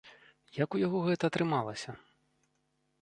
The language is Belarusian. Як у яго гэта атрымалася?